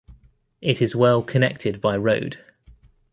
It is well connected by road.